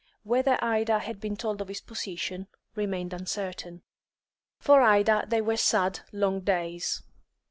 Whether Ida had been told of his position remained uncertain. For Ida they were sad, long days.